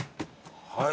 はい。